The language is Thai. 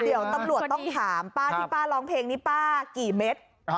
เดี๋ยวตำรวจต้องถามป้าที่ป้าร้องเพลงนี้ป้ากี่เม็ด